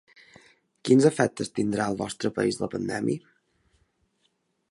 Quins efectes tindrà al vostre país la pandèmia?